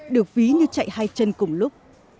được ví như chạy hai chân cùng lúc